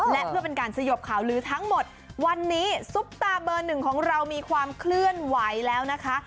และเพื่อเป็นการสยบข่าวลือทั้งหมดวันนี้ซุปตาเบอร์หนึ่งของเรามีความเคลื่อนไหวแล้วนะคะ